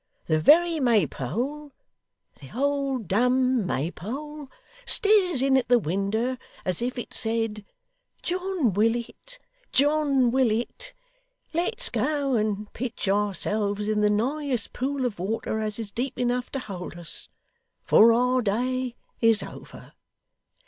The very Maypole the old dumb Maypole stares in at the winder, as if it said, "John Willet, John Willet, let's go and pitch ourselves in the nighest pool of water as is deep enough to hold us; for our day is over!"